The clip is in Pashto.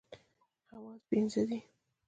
حواس پنځه دي.